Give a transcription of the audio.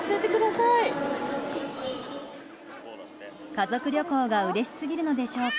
家族旅行がうれしすぎるのでしょうか